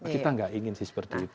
kita nggak ingin sih seperti itu